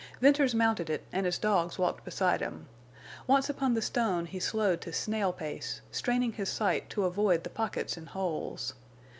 Venters mounted it and his dogs walked beside him. Once upon the stone he slowed to snail pace, straining his sight to avoid the pockets and holes.